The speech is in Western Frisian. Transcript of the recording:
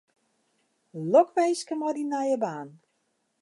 Lokwinske mei dyn nije baan.